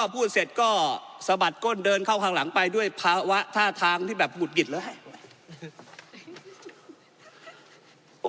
พูดเสร็จก็สะบัดก้นเดินเข้าข้างหลังไปด้วยภาวะท่าทางที่แบบหุดหงิดเลย